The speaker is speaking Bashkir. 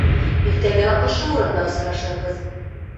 Иртәгә ошо урында осрашырбыҙ.